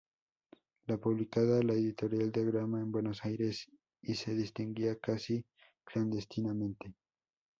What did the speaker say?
La publicaba la editorial Diagrama, en Buenos Aires y se distribuía casi clandestinamente.